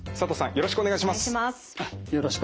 よろしくお願いします。